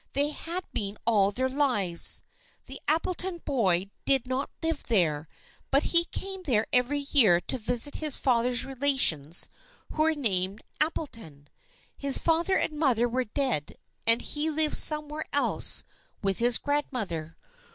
They had been all their lives. The Appleton boy did not live there, but he came there every year to visit his father's relations who were named Apple ton. His father and mother were dead and he lived somewhere else with his grandmother.